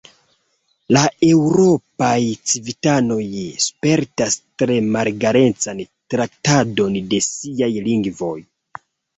La eŭropaj civitanoj spertas tre malegalecan traktadon de siaj lingvoj.